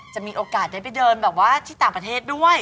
จะมีโอกาสได้ไปเดินแบบว่าที่ต่างประเทศด้วย